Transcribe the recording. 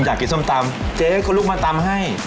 อยากกินส้มตำเจ๊เขาลุกมาตำให้